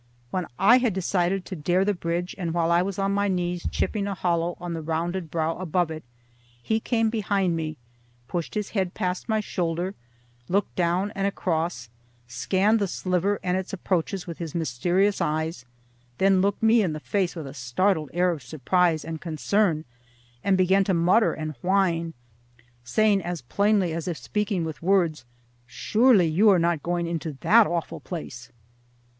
When I had decided to dare the bridge, and while I was on my knees chipping a hollow on the rounded brow above it, he came behind me, pushed his head past my shoulder, looked down and across, scanned the sliver and its approaches with his mysterious eyes, then looked me in the face with a startled air of surprise and concern, and began to mutter and whine; saying as plainly as if speaking with words, "Surely, you are not going into that awful place."